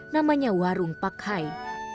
namanya warung pak hai